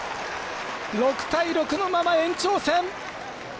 ６対６のまま延長戦。